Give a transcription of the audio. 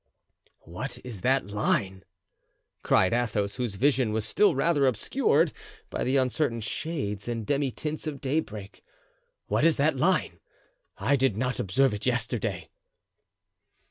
"What is that line?" cried Athos, whose vision was still rather obscured by the uncertain shades and demi tints of daybreak. "What is that line? I did not observe it yesterday."